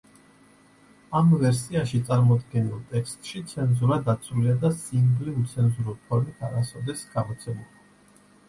ამ ვერსიაში წარმოდგენილ ტექსტში ცენზურა დაცულია და სინგლი უცენზურო ფორმით არასოდეს გამოცემულა.